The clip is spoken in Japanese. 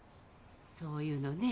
そういうのねえ